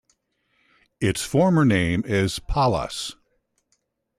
Its former name is Palas.